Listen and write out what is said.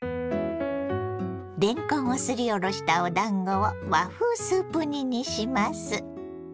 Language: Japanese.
れんこんをすりおろしたおだんごを和風スープ煮にします。